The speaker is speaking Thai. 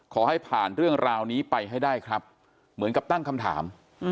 ขอให้ผ่านเรื่องราวนี้ไปให้ได้ครับเหมือนกับตั้งคำถาม